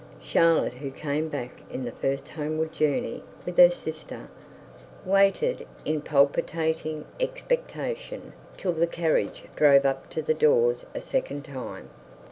Charlotte, who came back in the first homeward journey with her sister, waited in palpitating expectation till the carriage drove up to the door a second time.